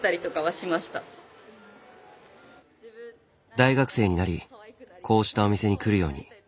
大学生になりこうしたお店に来るように。